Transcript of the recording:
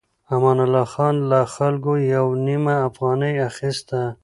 امان الله خان له خلکو يوه نيمه افغانۍ اخيسته.